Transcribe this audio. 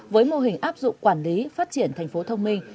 với mô hình áp dụng quản lý phát triển thành phố thông minh